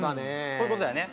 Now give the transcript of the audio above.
こういうことだよね。